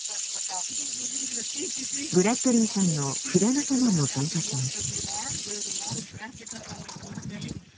ブラッドリーさんのフラ仲間も参加します。